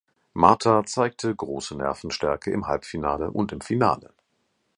Mata zeigte große Nervenstärke im Halbfinale und im Finale.